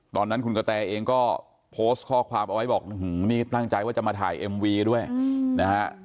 ตอนนั้นคุณกะแตเองก็โพสต์ข้อความเอาไว้บอกนี่ตั้งใจว่าจะมาถ่ายเอ็มวีด้วยนะฮะ